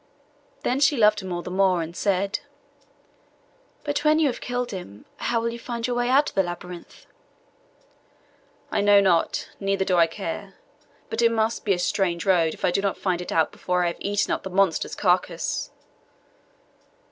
Then she loved him all the more, and said, 'But when you have killed him, how will you find your way out of the labyrinth?' 'I know not, neither do I care: but it must be a strange road, if I do not find it out before I have eaten up the monster's carcase.